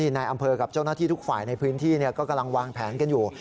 นายอำเภอกับเจ้าหน้าที่ทุกฝ่ายในพื้นที่ก็กำลังวางแผนกันอยู่